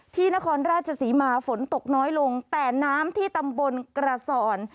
นครราชศรีมาฝนตกน้อยลงแต่น้ำที่ตำบลกระสอน